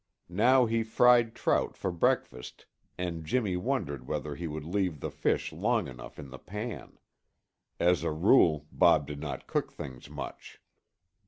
Now he fried trout for breakfast and Jimmy wondered whether he would leave the fish long enough in the pan. As a rule, Bob did not cook things much.